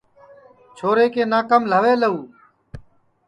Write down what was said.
چھورے کے ناکام لہوے لہو